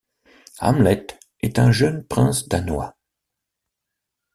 Hamlet est un jeune prince danois.